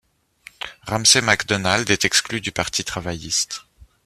Ramsay MacDonald est exclu du Parti travailliste.